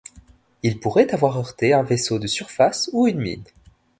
Il pourrait avoir heurté un vaisseau de surface ou une mine.